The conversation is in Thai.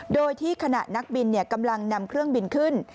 โดยที่ขณะนักบินกำลังนำเครื่องบินขึ้น